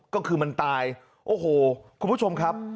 ก็คือมันตายโอ้โหคุณผู้ชมครับ